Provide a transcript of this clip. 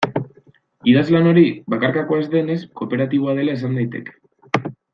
Idazlan hori, bakarkakoa ez denez, kooperatiboa dela esan daiteke.